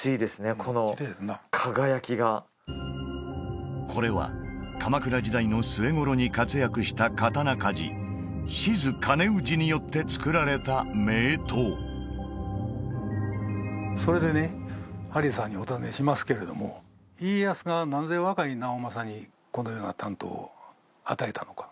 この輝きがこれは鎌倉時代の末頃に活躍した刀鍛冶志津兼氏によって作られた名刀それでねハリーさんにお尋ねしますけれども家康がなぜ若い直政にこのような短刀を与えたのか？